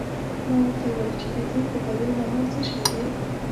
ما ورته وویل چې د دې د بریا لامل څه شی دی.